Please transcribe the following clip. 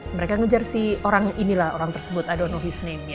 mereka ngejar si orang inilah orang tersebut i don't know his name ya